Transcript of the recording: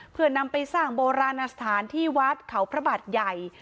เพื่อนำไปสร้างโบราณสถานที่วัดเขาพระบาทใหญ่